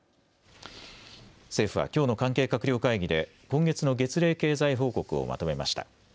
政府はきょうの関係閣僚会議で今月の月例経済報告をまとめました。